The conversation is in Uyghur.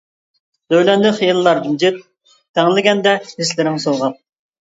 دۆۋىلەندى خىياللار جىمجىت، تەڭلىگەندە ھېسلىرىڭ سوۋغات.